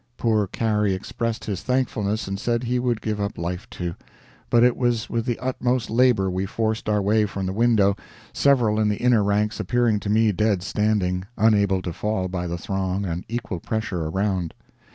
Poor Cary expressed his thankfulness, and said he would give up life too; but it was with the utmost labor we forced our way from the window (several in the inner ranks appearing to me dead standing, unable to fall by the throng and equal pressure around).